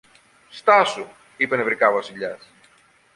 Στάσου, είπε νευρικά ο Βασιλιάς